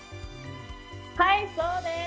はい、そうです。